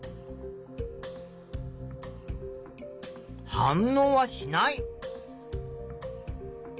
反応はしない。